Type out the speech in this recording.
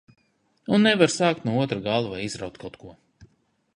Un nevar sākt no otra gala vai izraut kaut ko.